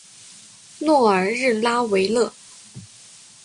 诺尔日拉维勒。